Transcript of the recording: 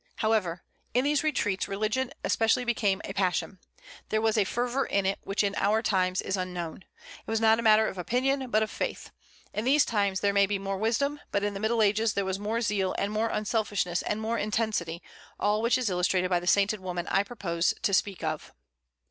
However, in these retreats religion especially became a passion. There was a fervor in it which in our times is unknown. It was not a matter of opinion, but of faith. In these times there may be more wisdom, but in the Middle Ages there was more zeal and more unselfishness and more intensity, all which is illustrated by the sainted woman I propose to speak of.